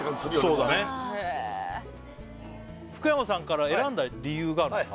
そうだねへえ福山さんから選んだ理由があるんですか？